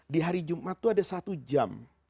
di hari jumat itu ada satu jam